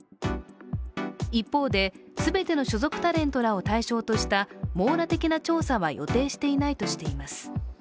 一方で、全ての所属タレントらを対象とした網羅的な調査は予定していないとしています。